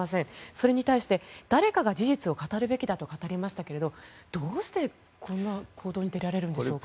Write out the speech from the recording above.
それに対して誰かが事実を語るべきだと語りましたけどどうしてこんな行動に出られるんでしょうか？